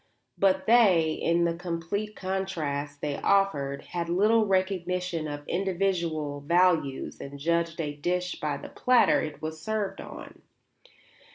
But they, in the complete contrast they offered, had little recognition of individual values and judged a dish by the platter it was served on.